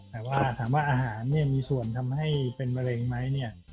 แต่ว่าถามว่าอาหารเนี่ยมีส่วนทำให้เป็นมะเร็งไหมเนี่ย